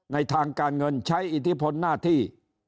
ในทางการเงินใช้อิทธิพลหน้าที่